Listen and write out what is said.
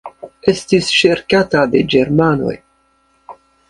Estis serĉata de germanoj.